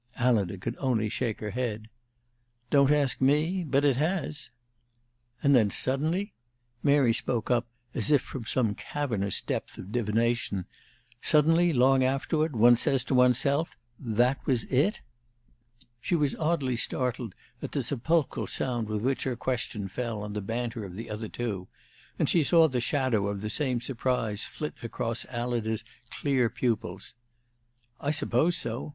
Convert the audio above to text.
Alida could only shake her head. "Don't ask me. But it has." "And then suddenly " Mary spoke up as if from some cavernous depth of divination "suddenly, long afterward, one says to one's self, 'That was it?'" She was oddly startled at the sepulchral sound with which her question fell on the banter of the other two, and she saw the shadow of the same surprise flit across Alida's clear pupils. "I suppose so.